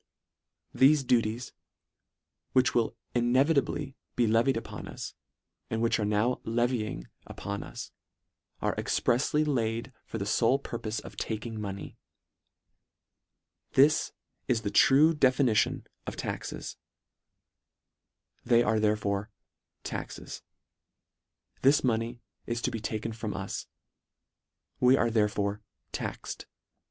c Thefe duties, which will inevitably be le vied upon us, and which are now levying up on us, are exprefsly laid for the fole purpofe of taking money. This is the true definiti (e) Speech Lord Cambden lately publifhed. LETTER VII. 77 on of taxes. They are therefore taxes. This money is to be taken from us. We are therefore taxed.